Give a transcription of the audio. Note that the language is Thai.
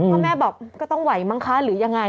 พ่อแม่บอกก็ต้องไหวมั้งคะหรือยังไง